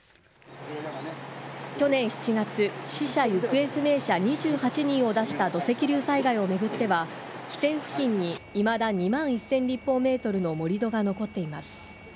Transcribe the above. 去年７月、死者・行方不明者２８人を出した土石流災害を巡っては、起点付近にいまだ２万１０００立方メートルの盛り土が残っています。